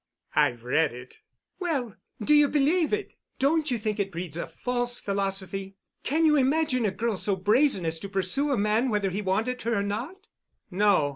"I've read it." "Well, do you believe in it? Don't you think it breeds a false philosophy? Can you imagine a girl so brazen as to pursue a man whether he wanted her or not?" "No.